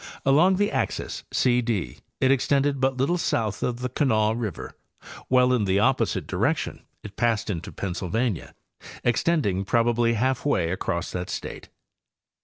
Along the axis C D it extended but little south of the Kanawha river, while in the opposite direction it passed into Pennsylvania, extending probably half way across that state.